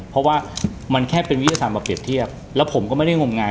เพราะว่ามันแค่เป็นวิทยาศาสตร์มาเปรียบเทียบแล้วผมก็ไม่ได้งมงาย